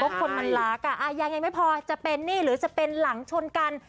คนมันรักยังไม่พอจะเป็นนี่หรือจะเป็นหลังชนกัน